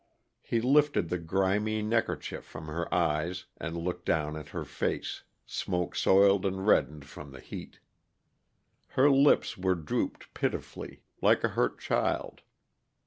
He lifted the grimy neckerchief from her eyes and looked down at her face, smoke soiled and reddened from the heat. Her lips were drooped pitifully, like a hurt child.